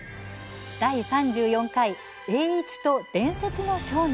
第３４回「栄一と伝説の商人」。